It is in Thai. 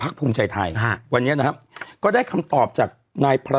ภูมิใจไทยฮะวันนี้นะครับก็ได้คำตอบจากนายพระ